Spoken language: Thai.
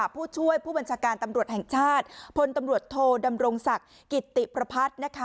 ผู้ช่วยผู้บัญชาการตำรวจแห่งชาติพลตำรวจโทดำรงศักดิ์กิติประพัฒน์นะคะ